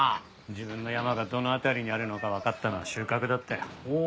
自分の山がどの辺りにあるのかわかったのは収穫だったよ。